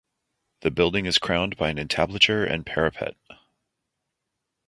The building is crowned by an entablature and parapet.